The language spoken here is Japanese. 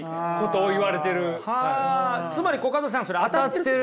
つまりコカドさんそれ当たってるって。